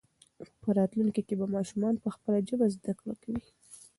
په راتلونکي کې به ماشومان په خپله ژبه زده کړه کوي.